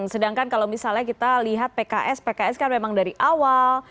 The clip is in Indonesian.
sedangkan kalau misalnya kita lihat pks pks kan memang dari awal